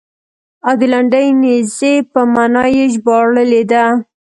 او د لنډې نېزې په معنا یې ژباړلې ده.